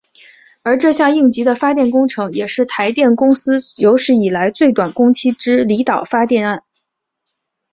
而这项应急的发电工程也是台电公司有史以来最短工期之离岛发电案。